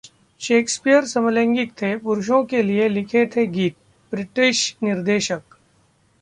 Shakespeare समलैंगिक थे, पुरुषों के लिये लिखे थे गीत: ब्रिटिश निर्देशक